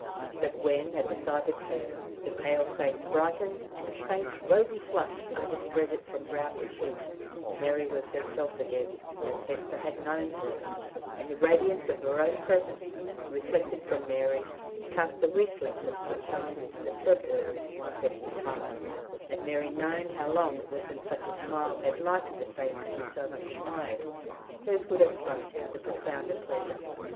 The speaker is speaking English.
But when, at sight of her, the pale face brightened, and a faint, rosy flush overspread it from brow to chin, Mary was herself again as Hesper had known her; and the radiance of her own presence, reflected from Mary, cast a reflex of sunshine into the February of Hesper's heart: had Mary known how long it was since such a smile had lighted the face she so much admired, hers would have flushed with a profounder pleasure.